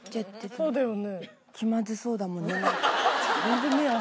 そうだよね。